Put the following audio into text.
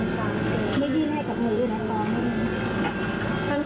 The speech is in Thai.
ตอนนี้ไม่ดีแหละกับเมื่ออื่นตอนนี้